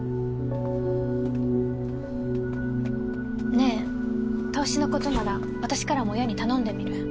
ねぇ投資のことなら私からも親に頼んでみる。